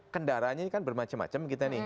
kendaranya ini kan bermacam macam kita nih